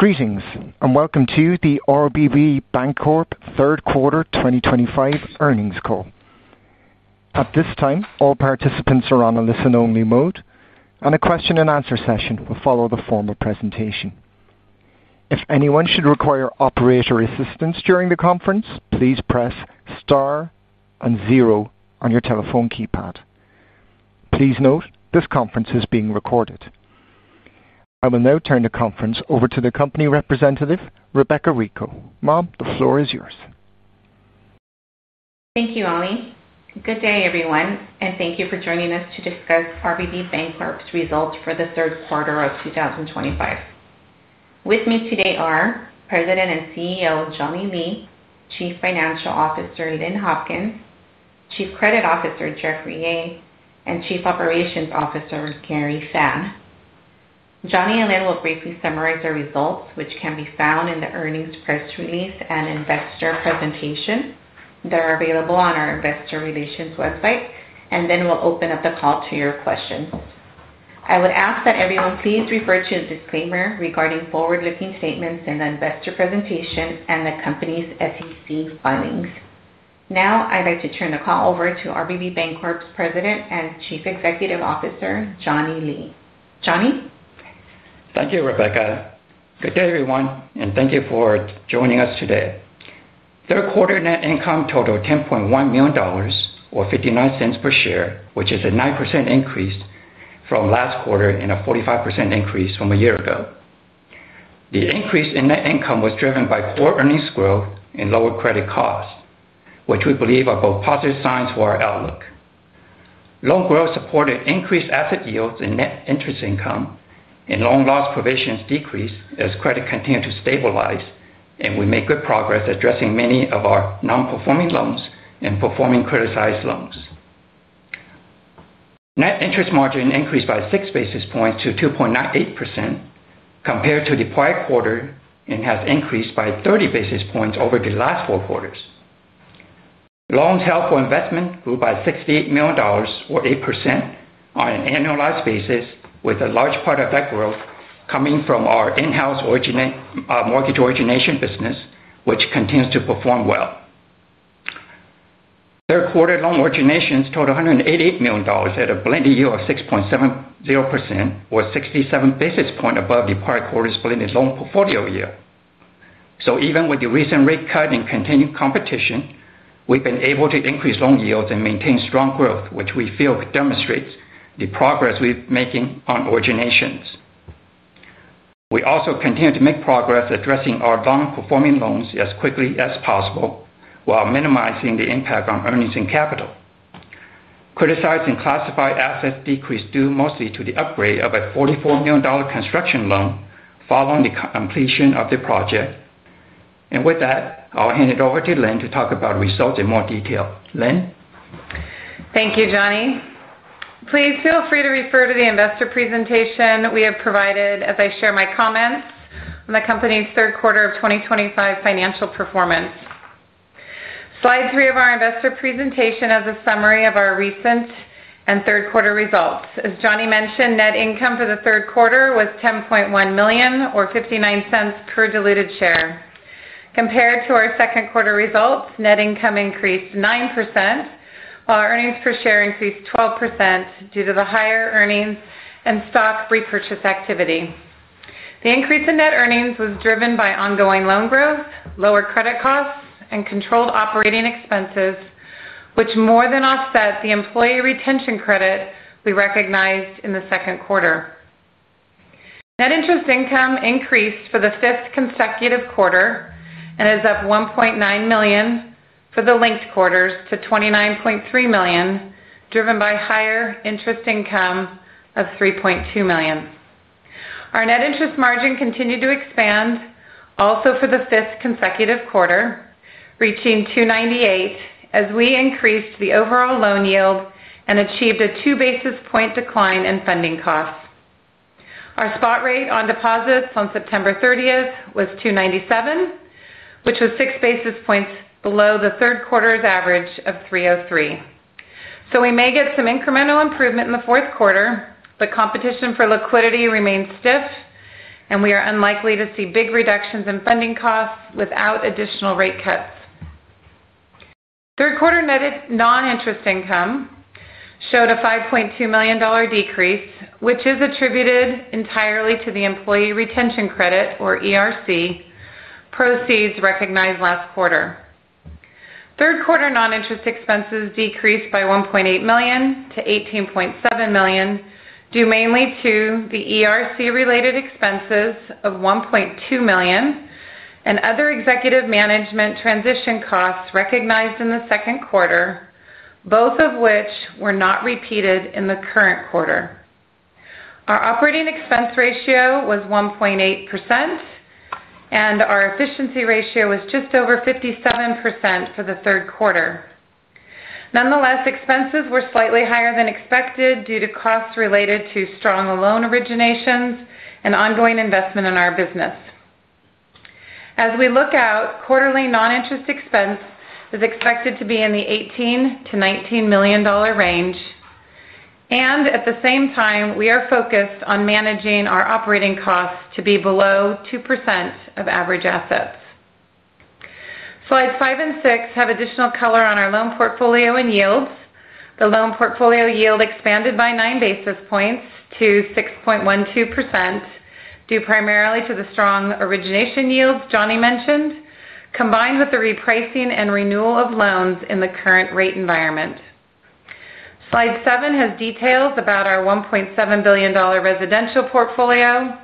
Greetings and welcome to the RBB Bancorp third quarter 2025 earnings call. At this time, all participants are on a listen-only mode, and a question-and-answer session will follow the formal presentation. If anyone should require operator assistance during the conference, please press star and zero on your telephone keypad. Please note this conference is being recorded. I will now turn the conference over to the company representative, Rebeca Rico. Ma'am, the floor is yours. Thank you, Ali. Good day, everyone, and thank you for joining us to discuss RBB Bancorp's results for the third quarter of 2025. With me today are President and CEO Johnny Lee, Chief Financial Officer Lynn Hopkins, Chief Credit Officer Jeffrey Yeh, and Chief Operations Officer Gary Fan. Johnny and Lynn will briefly summarize their results, which can be found in the earnings press release and investor presentation. They're available on our investor relations website, and then we'll open up the call to your questions. I would ask that everyone please refer to the disclaimer regarding forward-looking statements in the investor presentation and the company's SEC filings. Now, I'd like to turn the call over to RBB Bancorp's President and Chief Executive Officer Johnny Lee. Johnny? Thank you, Rebeca. Good day, everyone, and thank you for joining us today. Third quarter net income totaled $10.1 million or $0.59 per share, which is a 9% increase from last quarter and a 45% increase from a year ago. The increase in net income was driven by core earnings growth and lower credit costs, which we believe are both positive signs for our outlook. Loan growth supported increased asset yields and net interest income, and loan loss provisions decreased as credit continued to stabilize. We made good progress addressing many of our non-performing loans and performing credit-sized loans. Net interest margin increased by six basis points to 2.98% compared to the prior quarter and has increased by 30 basis points over the last four quarters. Loans held for investment grew by $68 million or 8% on an annualized basis, with a large part of that growth coming from our in-house mortgage origination business, which continues to perform well. Third quarter loan originations totaled $188 million at a blended yield of 6.70% or 67 basis points above the prior quarter's blended loan portfolio yield. Even with the recent rate cut and continued competition, we've been able to increase loan yields and maintain strong growth, which we feel demonstrates the progress we've been making on originations. We also continue to make progress addressing our non-performing loans as quickly as possible while minimizing the impact on earnings and capital. Credit-sized and classified assets decreased due mostly to the upgrade of a $44 million construction loan following the completion of the project. With that, I'll hand it over to Lynn to talk about results in more detail. Lynn? Thank you, Johnny. Please feel free to refer to the investor presentation we have provided as I share my comments on the company's third quarter of 2025 financial performance. Slide three of our investor presentation has a summary of our recent and third quarter results. As Johnny mentioned, net income for the third quarter was $10.1 million or $0.59 per diluted share. Compared to our second quarter results, net income increased 9% while earnings per share increased 12% due to the higher earnings and stock repurchase activity. The increase in net earnings was driven by ongoing loan growth, lower credit costs, and controlled operating expenses, which more than offset the employee retention credit we recognized in the second quarter. Net interest income increased for the fifth consecutive quarter and is up $1.9 million for the linked quarters to $29.3 million, driven by higher interest income of $3.2 million. Our net interest margin continued to expand also for the fifth consecutive quarter, reaching 2.98% as we increased the overall loan yield and achieved a two basis point decline in funding costs. Our spot rate on deposits on September 30th was 2.97%, which was six basis points below the third quarter's average of 3.03%. We may get some incremental improvement in the fourth quarter, but competition for liquidity remains stiff, and we are unlikely to see big reductions in funding costs without additional rate cuts. Third quarter net non-interest income showed a $5.2 million decrease, which is attributed entirely to the employee retention credit or ERC proceeds recognized last quarter. Third quarter non-interest expenses decreased by $1.8 million to $18.7 million due mainly to the ERC-related expenses of $1.2 million and other executive management transition costs recognized in the second quarter, both of which were not repeated in the current quarter. Our operating expense ratio was 1.8%, and our efficiency ratio was just over 57% for the third quarter. Nonetheless, expenses were slightly higher than expected due to costs related to strong loan originations and ongoing investment in our business. As we look out, quarterly non-interest expense is expected to be in the $18 to $19 million range, and at the same time, we are focused on managing our operating costs to be below 2% of average assets. Slides five and six have additional color on our loan portfolio and yields. The loan portfolio yield expanded by 9 basis points to 6.12% due primarily to the strong origination yields Johnny mentioned, combined with the repricing and renewal of loans in the current rate environment. Slide seven has details about our $1.7 billion residential portfolio,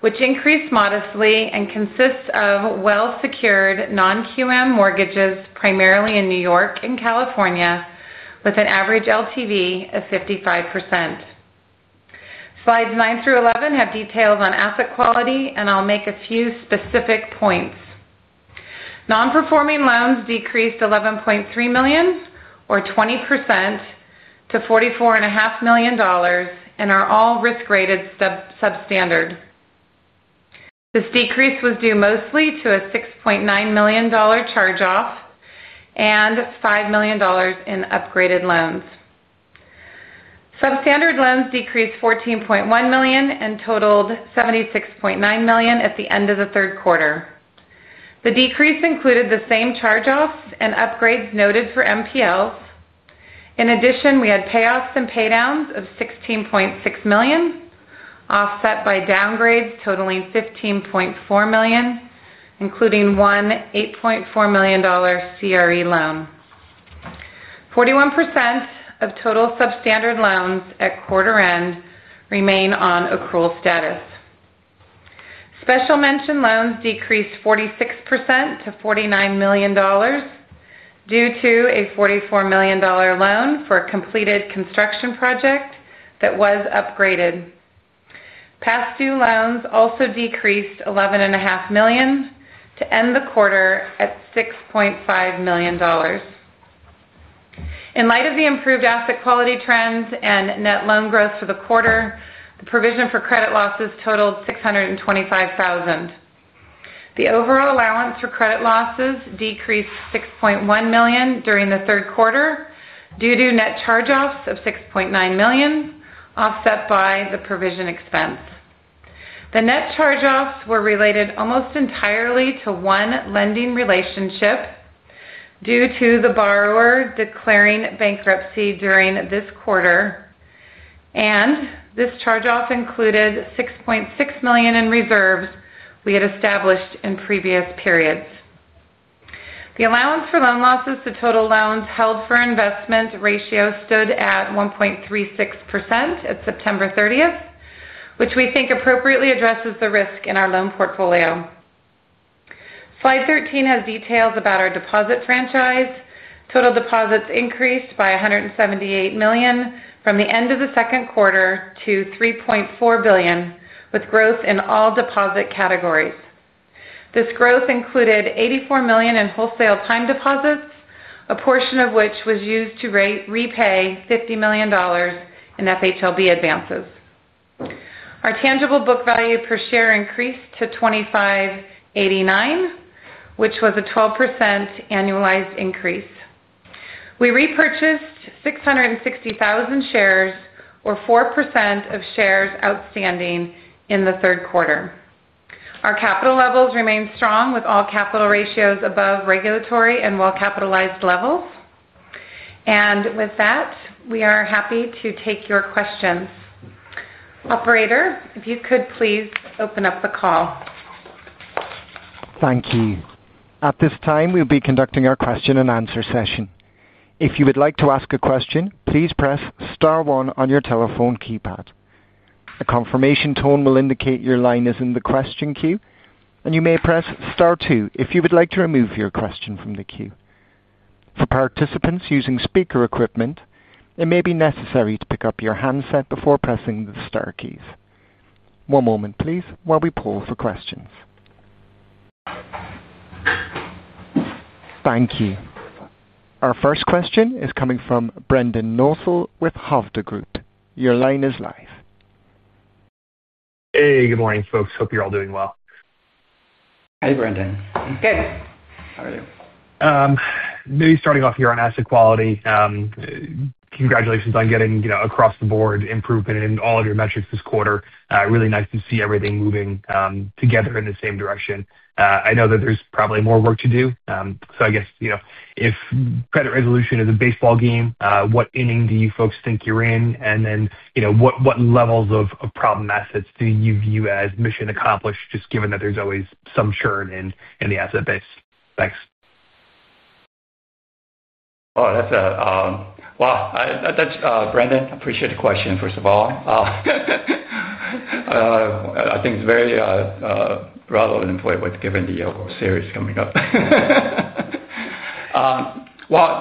which increased modestly and consists of well-secured non-QM mortgages primarily in New York and California, with an average LTV of 55%. Slides nine through 11 have details on asset quality, and I'll make a few specific points. Non-performing loans decreased $11.3 million or 20% to $44.5 million and are all risk-rated substandard. This decrease was due mostly to a $6.9 million charge-off and $5 million in upgraded loans. Substandard loans decreased $14.1 million and totaled $76.9 million at the end of the third quarter. The decrease included the same charge-offs and upgrades noted for non-performing loans. In addition, we had payoffs and paydowns of $16.6 million offset by downgrades totaling $15.4 million, including one $8.4 million commercial real estate loan. 41% of total substandard loans at quarter end remain on accrual status. Special mention loans decreased 46% to $49 million due to a $44 million loan for a completed construction project that was upgraded. Past due loans also decreased $11.5 million to end the quarter at $6.5 million. In light of the improved asset quality trends and net loan growth for the quarter, the provision for credit losses totaled $625,000. The overall allowance for credit losses decreased $6.1 million during the third quarter due to net charge-offs of $6.9 million offset by the provision expense. The net charge-offs were related almost entirely to one lending relationship due to the borrower declaring bankruptcy during this quarter, and this charge-off included $6.6 million in reserves we had established in previous periods. The allowance for loan losses to total loans held for investment ratio stood at 1.36% at September 30, which we think appropriately addresses the risk in our loan portfolio. Slide 13 has details about our deposit franchise. Total deposits increased by $178 million from the end of the second quarter to $3.4 billion, with growth in all deposit categories. This growth included $84 million in wholesale time deposits, a portion of which was used to repay $50 million in FHLB advances. Our tangible book value per share increased to $25.89, which was a 12% annualized increase. We repurchased 660,000 shares or 4% of shares outstanding in the third quarter. Our capital levels remain strong, with all capital ratios above regulatory and well-capitalized levels. With that, we are happy to take your questions. Operator, if you could please open up the call. Thank you. At this time, we'll be conducting our question-and-answer session. If you would like to ask a question, please press star one on your telephone keypad. A confirmation tone will indicate your line is in the question queue, and you may press star two if you would like to remove your question from the queue. For participants using speaker equipment, it may be necessary to pick up your handset before pressing the star keys. One moment, please, while we pull for questions. Thank you. Our first question is coming from Brendan Nosal with Hovde Group. Your line is live. Hey, good morning, folks. Hope you're all doing well. Hey, Brendan. Good. How are you? Maybe starting off here on asset quality, congratulations on getting, you know, across the board improvement in all of your metrics this quarter. Really nice to see everything moving together in the same direction. I know that there's probably more work to do. I guess, you know, if credit resolution is a baseball game, what inning do you folks think you're in? What levels of problem assets do you view as mission accomplished, just given that there's always some churn in the asset base? Thanks. Oh, that's a, well, Brendan, I appreciate the question, first of all. I think it's very relevant for what's given the series coming up.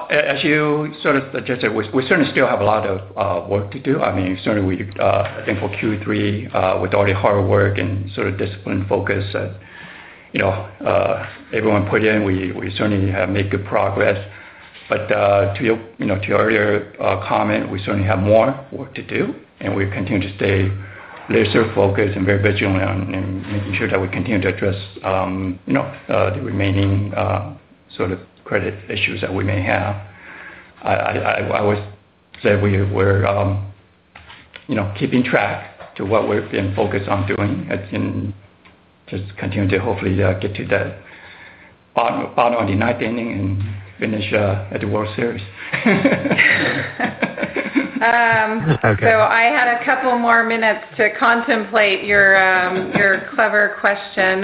As you sort of suggested, we certainly still have a lot of work to do. I mean, certainly, I think for Q3, with all the hard work and sort of disciplined focus that everyone put in, we certainly have made good progress. To your earlier comment, we certainly have more work to do, and we continue to stay laser-focused and very vigilant on making sure that we continue to address the remaining sort of credit issues that we may have. I would say we're keeping track to what we've been focused on doing and just continue to hopefully get to that final, final, the ninth inning and finish at the World Series. Okay. I had a couple more minutes to contemplate your clever question.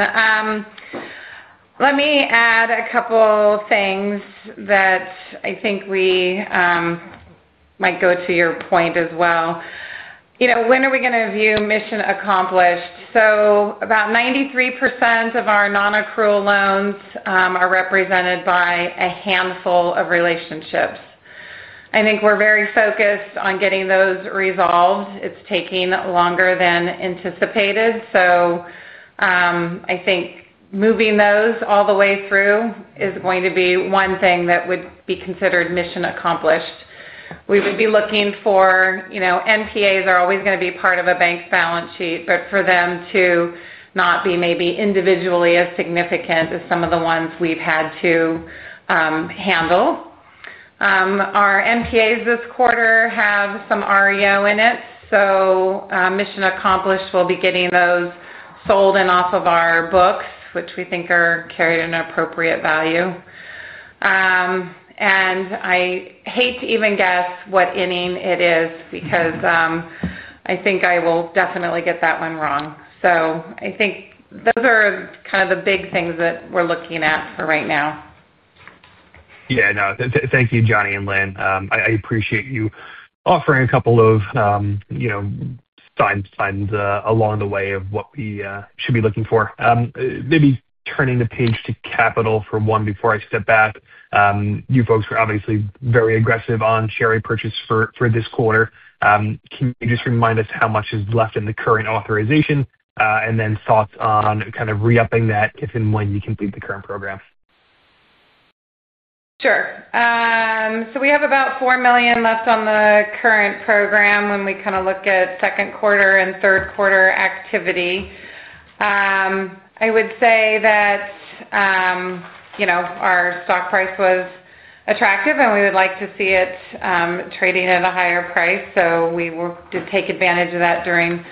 Let me add a couple things that I think might go to your point as well. You know, when are we going to view mission accomplished? About 93% of our non-accrual loans are represented by a handful of relationships. I think we're very focused on getting those resolved. It's taking longer than anticipated. I think moving those all the way through is going to be one thing that would be considered mission accomplished. We would be looking for, you know, MPAs are always going to be part of a bank's balance sheet, but for them to not be maybe individually as significant as some of the ones we've had to handle. Our MPAs this quarter have some REO in it, so mission accomplished will be getting those sold and off of our books, which we think are carried at appropriate value. I hate to even guess what inning it is because I think I will definitely get that one wrong. I think those are kind of the big things that we're looking at for right now. Thank you, Johnny and Lynn. I appreciate you offering a couple of, you know, signs along the way of what we should be looking for. Maybe turning the page to capital for one before I step back. You folks were obviously very aggressive on share repurchase for this quarter. Can you just remind us how much is left in the current authorization, and then thoughts on kind of re-upping that if and when you complete the current program? Sure. We have about $4 million left on the current program when we look at second quarter and third quarter activity. I would say that our stock price was attractive, and we would like to see it trading at a higher price, so we will take advantage of that during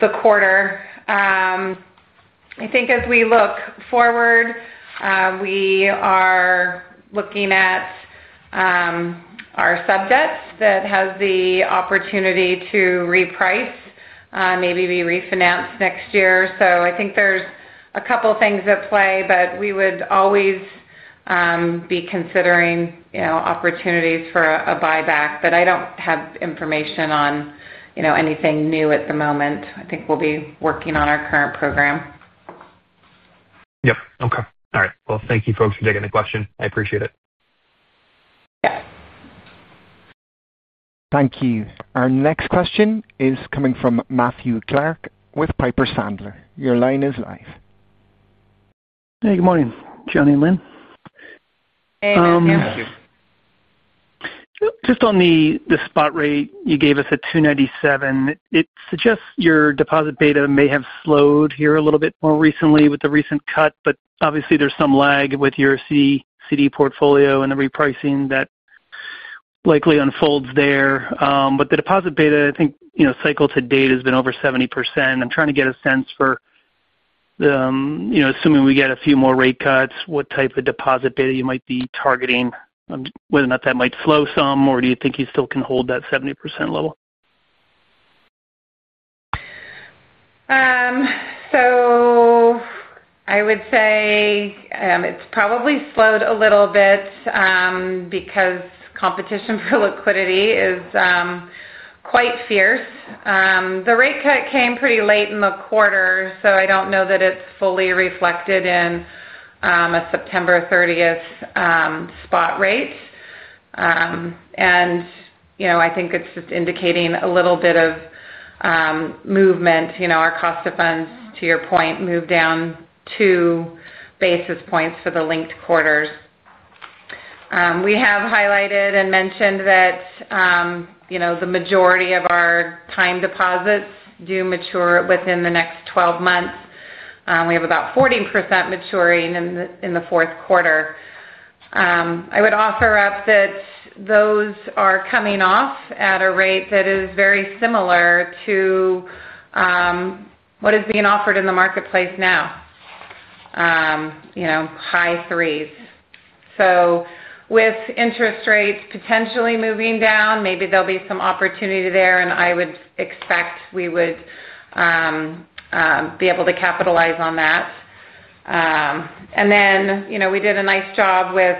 the quarter. I think as we look forward, we are looking at our sub-debt that has the opportunity to reprice, maybe be refinanced next year. I think there's a couple things at play, but we would always be considering opportunities for a buyback, but I don't have information on anything new at the moment. I think we'll be working on our current program. Okay. All right. Thank you folks for taking the question. I appreciate it. Yeah. Thank you. Our next question is coming from Matthew Clark with Piper Sandler. Your line is live. Hey, good morning. Johnny and Lynn? Hey, thank you. Just on the spot rate, you gave us at 2.97%. It suggests your deposit beta may have slowed here a little bit more recently with the recent cut, but obviously, there's some lag with your CD portfolio and the repricing that likely unfolds there. The deposit beta, I think, you know, cycle to date has been over 70%. I'm trying to get a sense for, you know, assuming we get a few more rate cuts, what type of deposit beta you might be targeting, whether or not that might slow some, or do you think you still can hold that 70% level? I would say it's probably slowed a little bit, because competition for liquidity is quite fierce. The rate cut came pretty late in the quarter, so I don't know that it's fully reflected in a September 30 spot rate. I think it's just indicating a little bit of movement. Our cost of funds, to your point, moved down two basis points for the linked quarters. We have highlighted and mentioned that the majority of our time deposits do mature within the next 12 months. We have about 40% maturing in the fourth quarter. I would offer up that those are coming off at a rate that is very similar to what is being offered in the marketplace now, you know, high threes. With interest rates potentially moving down, maybe there'll be some opportunity there, and I would expect we would be able to capitalize on that. We did a nice job with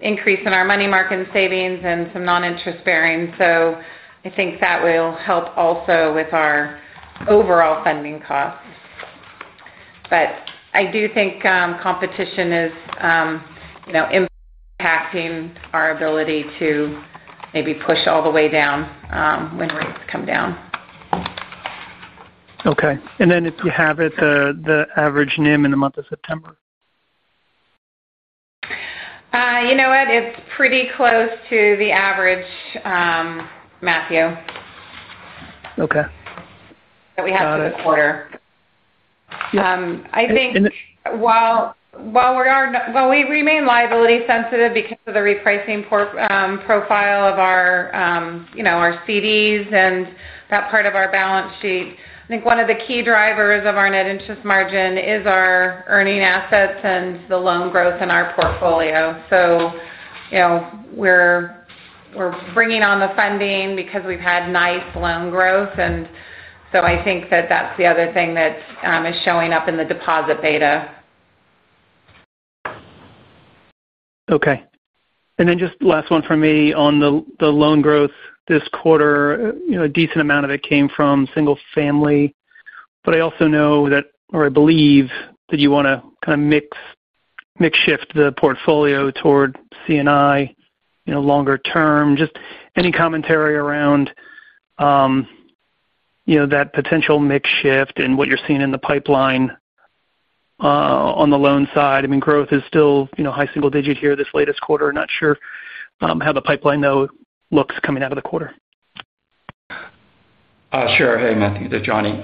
increasing our money market savings and some non-interest bearings, so I think that will help also with our overall funding costs. I do think competition is impacting our ability to maybe push all the way down when rates come down. Okay. If you have it, the average NIM in the month of September? You know what? It's pretty close to the average, Matthew. Okay. That we had for the quarter. So. I think. And it. While we remain liability-sensitive because of the repricing profile of our, you know, our CDs and that part of our balance sheet, I think one of the key drivers of our net interest margin is our earning assets and the loan growth in our portfolio. We're bringing on the funding because we've had nice loan growth, and I think that that's the other thing that is showing up in the deposit beta. Okay. Just the last one from me on the loan growth this quarter, you know, a decent amount of it came from single family, but I also know that or I believe that you want to kind of mix-shift the portfolio toward C&I, you know, longer term. Just any commentary around, you know, that potential mix shift and what you're seeing in the pipeline on the loan side? I mean, growth is still, you know, high single-digit here this latest quarter. I'm not sure how the pipeline, though, looks coming out of the quarter. Sure. Hey, Matthew. This is Johnny.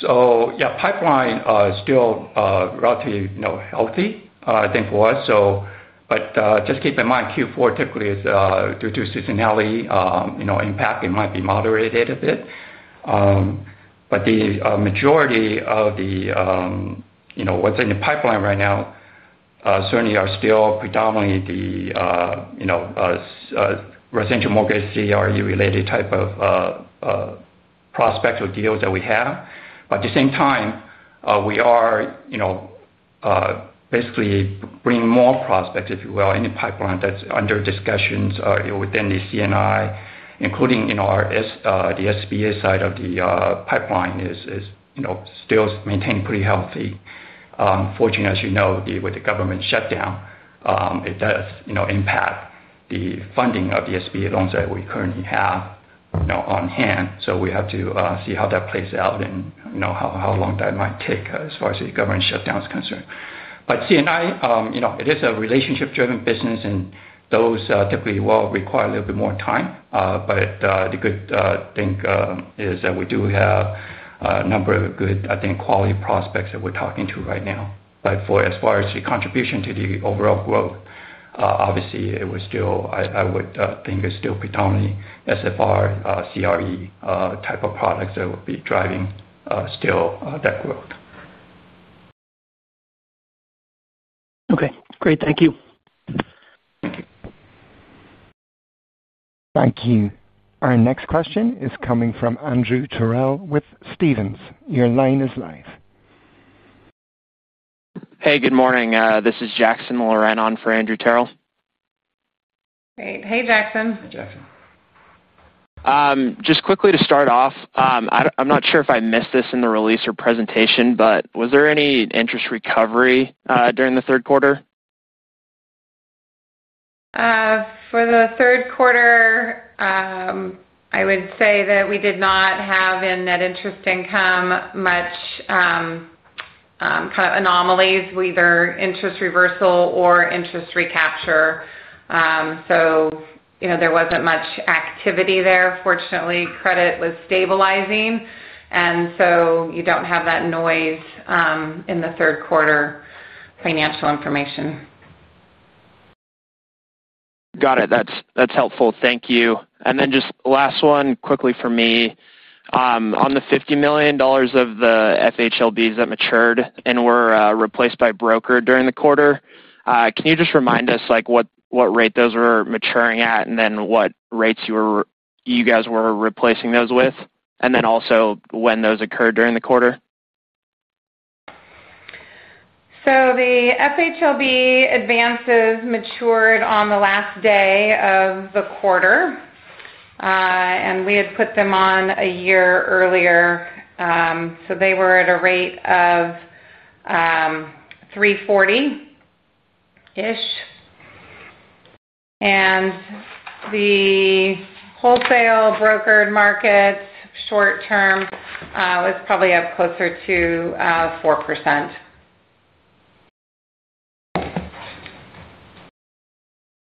So yeah, pipeline is still relatively, you know, healthy, I think for us. Just keep in mind Q4 typically is, due to seasonality, you know, impact, it might be moderated a bit. The majority of the, you know, what's in the pipeline right now certainly are still predominantly the, you know, residential mortgage, CRE-related type of prospects or deals that we have. At the same time, we are basically bringing more prospects, if you will, in the pipeline that's under discussions, you know, within the C&I, including, you know, our SBA side of the pipeline is still maintained pretty healthy. Unfortunately, as you know, with the government shutdown, it does impact the funding of the SBA loans that we currently have on hand. We have to see how that plays out and, you know, how long that might take as far as the government shutdown is concerned. C&I, you know, it is a relationship-driven business, and those typically require a little bit more time. The good thing is that we do have a number of good, I think, quality prospects that we're talking to right now. For as far as the contribution to the overall growth, obviously, I would think it's still predominantly SFR, CRE type of products that would be driving, still, that growth. Okay. Great. Thank you. Thank you. Our next question is coming from Andrew Terrell with Stephens. Your line is live. Hey, good morning. This is Jackson Laurent on for Andrew Terrell. Great. Hey, Jackson. Hey, Jackson. Just quickly to start off, I'm not sure if I missed this in the release or presentation, but was there any interest recovery during the third quarter? For the third quarter, I would say that we did not have in net interest income much, kind of anomalies with either interest reversal or interest recapture. You know, there wasn't much activity there. Fortunately, credit was stabilizing, and you don't have that noise in the third quarter financial information. Got it. That's helpful. Thank you. Just the last one quickly from me. On the $50 million of the FHLB advances that matured and were replaced by broker during the quarter, can you just remind us what rate those were maturing at and what rates you were replacing those with? Also, when those occurred during the quarter? The FHLB advances matured on the last day of the quarter, and we had put them on a year earlier. They were at a rate of 3.40%. The wholesale brokered markets short term was probably up closer to 4%.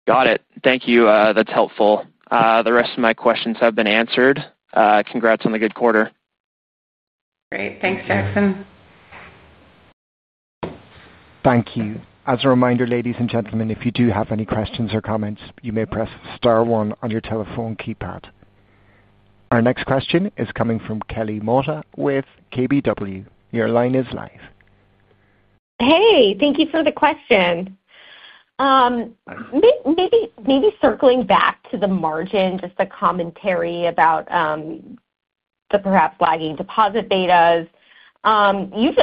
Got it. Thank you. That's helpful. The rest of my questions have been answered. Congrats on the good quarter. Great. Thanks, Jackson. Thank you. As a reminder, ladies and gentlemen, if you do have any questions or comments, you may press star one on your telephone keypad. Our next question is coming from Kelly Motta with KBW. Your line is live. Hey, thank you for the question. Maybe circling back to the margin, just a commentary about the perhaps lagging deposit betas. You've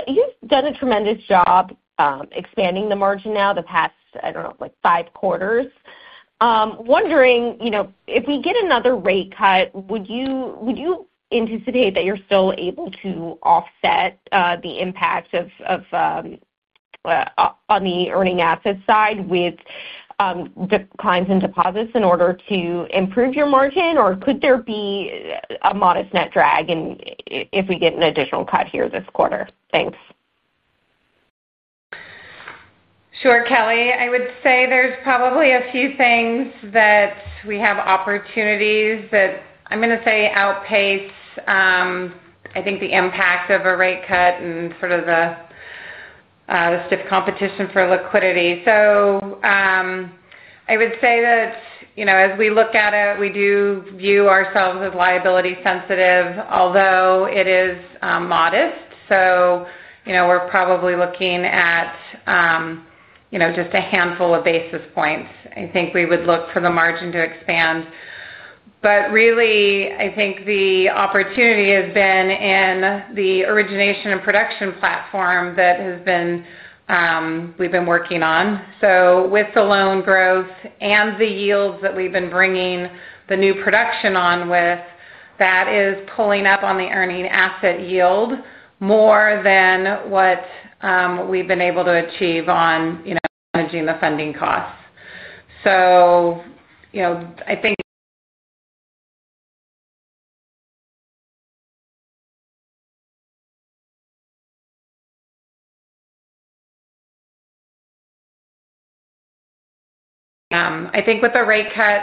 done a tremendous job expanding the margin now the past, I don't know, like five quarters. Wondering, you know, if we get another rate cut, would you anticipate that you're still able to offset the impact of, of, on the earning asset side with declines in deposits in order to improve your margin? Or could there be a modest net drag if we get an additional cut here this quarter? Thanks. Sure, Kelly. I would say there's probably a few things that we have opportunities that I'm going to say outpace, I think, the impact of a rate cut and the stiff competition for liquidity. I would say that, as we look at it, we do view ourselves as liability-sensitive, although it is modest. We're probably looking at just a handful of basis points. I think we would look for the margin to expand. Really, I think the opportunity has been in the origination and production platform that we've been working on. With the loan growth and the yields that we've been bringing the new production on with, that is pulling up on the earning asset yield more than what we've been able to achieve on managing the funding costs. I think with the rate cut,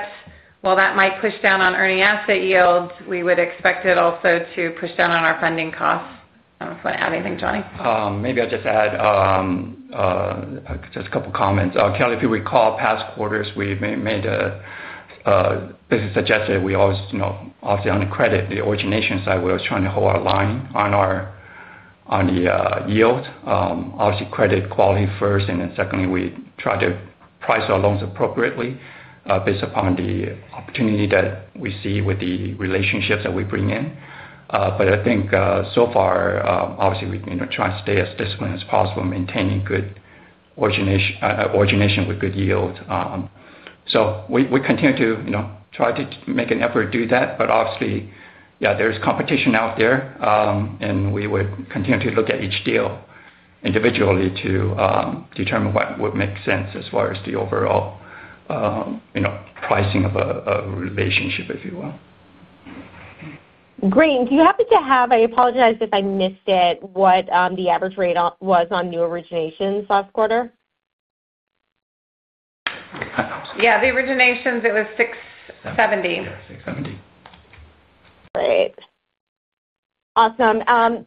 while that might push down on earning asset yields, we would expect it also to push down on our funding costs. I don't know if you want to add anything, Johnny. Maybe I'll just add a couple comments. Kelly, if you recall, past quarters, we basically suggested we always, you know, obviously on the credit, the origination side, we always try to hold our line on the yield. Obviously, credit quality first, and then secondly, we try to price our loans appropriately, based upon the opportunity that we see with the relationships that we bring in. I think so far, obviously, we've been trying to stay as disciplined as possible, maintaining good origination with good yields. We continue to try to make an effort to do that, but obviously, there's competition out there, and we would continue to look at each deal individually to determine what would make sense as far as the overall pricing of a relationship, if you will. Do you happen to have, I apologize if I missed it, what the average rate was on new originations last quarter? Yeah, the originations, it was $670 million. Yeah, 670. Great. Awesome.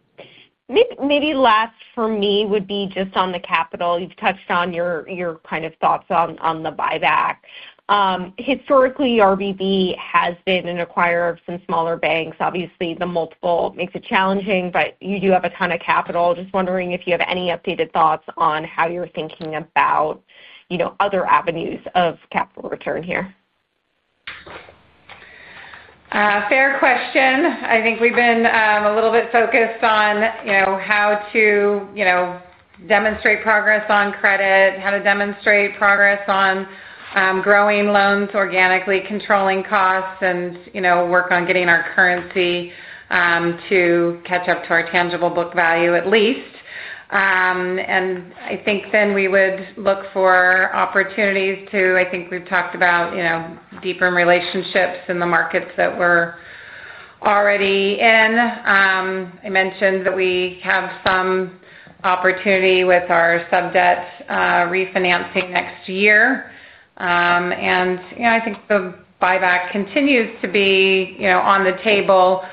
Maybe last for me would be just on the capital. You've touched on your kind of thoughts on the buyback. Historically, RBB Bancorp has been an acquirer of some smaller banks. Obviously, the multiple makes it challenging, but you do have a ton of capital. Just wondering if you have any updated thoughts on how you're thinking about, you know, other avenues of capital return here. Fair question. I think we've been a little bit focused on how to demonstrate progress on credit, how to demonstrate progress on growing loans organically, controlling costs, and work on getting our currency to catch up to our tangible book value at least. I think then we would look for opportunities to, I think we've talked about, deepen relationships in the markets that we're already in. I mentioned that we have some opportunity with our sub-debt refinancing next year. I think the buyback continues to be on the table.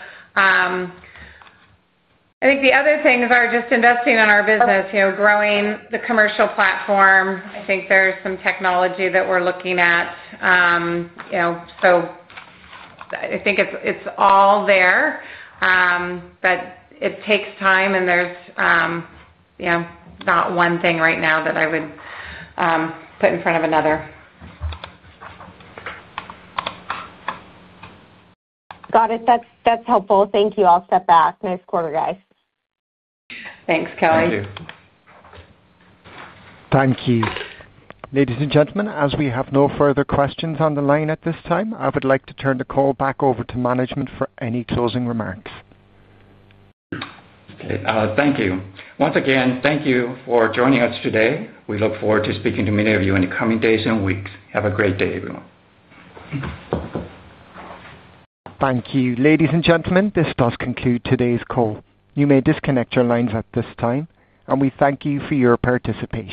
The other things are just investing in our business, growing the commercial platform. I think there's some technology that we're looking at. I think it's all there, but it takes time, and there's not one thing right now that I would put in front of another. Got it. That's helpful. Thank you. I'll step back. Nice quarter, guys. Thanks, Kelly. Thank you. Thank you. Ladies and gentlemen, as we have no further questions on the line at this time, I would like to turn the call back over to management for any closing remarks. Okay, thank you. Once again, thank you for joining us today. We look forward to speaking to many of you in the coming days and weeks. Have a great day, everyone. Thank you. Ladies and gentlemen, this does conclude today's call. You may disconnect your lines at this time, and we thank you for your participation.